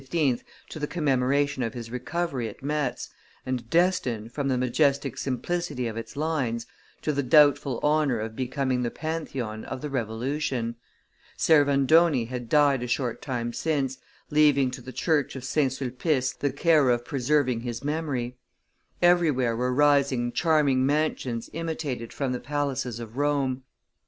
to the commemoration of his recovery at Metz, and destined, from the majestic simplicity of its lines, to the doubtful honor of becoming the Pantheon of the revolution; Servandoni had died a short time since, leaving to the church of St. Sulpice the care of preserving his memory; everywhere were rising charming mansions imitated from the palaces of Rome.